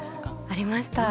ありました。